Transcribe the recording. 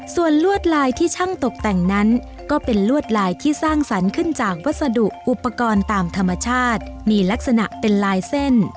ส่วนลวดลายที่ช่างตกแต่งนั้นก็เป็นลวดลายที่สร้างสรรค์ขึ้นจากวัสดุอุปกรณ์ตามธรรมชาติมีลักษณะเป็นลายเส้น